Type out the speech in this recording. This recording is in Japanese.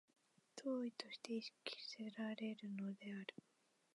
当為として意識せられるのである。